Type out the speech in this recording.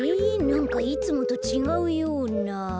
なんかいつもとちがうような。